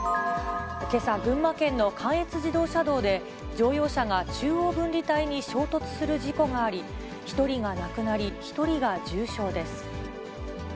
けさ、群馬県の関越自動車道で、乗用車が中央分離帯に衝突する事故があり、１人が亡くなり、１人が重傷です。